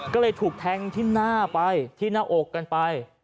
ก็เลยถูกแทงที่หน้าไปที่หน้าอกกันไป